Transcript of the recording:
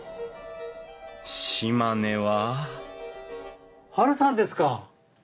島根はハルさんですか！？